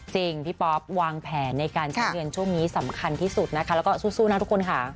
จริงพี่ป๊อปวางแผนในการใช้เงินช่วงนี้สำคัญที่สุดนะคะแล้วก็สู้นะทุกคนค่ะ